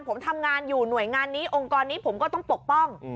ผมทำงานอยู่หน่วยงานนี้องค์กรนี้ผมก็ต้องปกป้อง